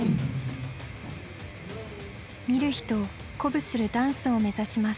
見る人を鼓舞するダンスを目指します。